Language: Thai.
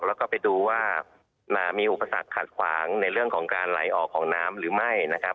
แล้วก็ไปดูว่ามีอุปสรรคขัดขวางในเรื่องของการไหลออกของน้ำหรือไม่นะครับ